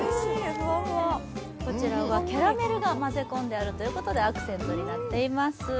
こちらはキャラメルを混ぜ込んでいるということで、アクセントになっています。